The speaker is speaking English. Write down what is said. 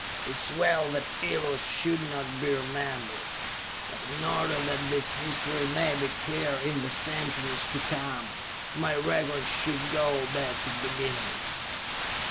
It is well that evil should not be remembered. But in order that this history may be clear in the centuries to come, my record should go back to beginnings.